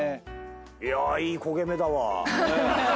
いやいい焦げ目だわ。